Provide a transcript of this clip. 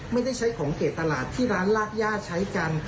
ไม่ได้ใช้ของเกดตลาดที่ร้านลาดย่าใช้กัน